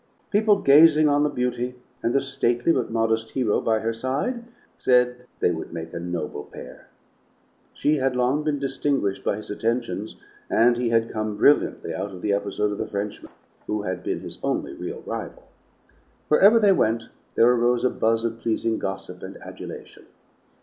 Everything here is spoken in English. People gazing on the beauty and the stately but modest hero by her side, said they would make a noble pair. She had long been distinguished by his attentions, and he had come brilliantly out of the episode of the Frenchman, who had been his only real rival. Wherever they went, there arose a buzz of pleasing gossip and adulation.